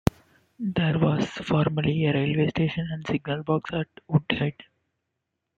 There was formerly a railway station and signal box at Woodhead.